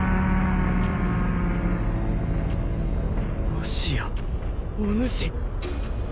・もしやおぬし。